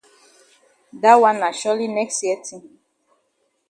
Dat wan na surely next year tin.